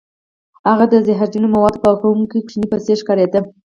هغه د زهرجن موادو پاکوونکي ماشوم په څیر ښکاریده